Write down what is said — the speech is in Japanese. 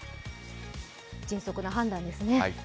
迅速な判断ですね。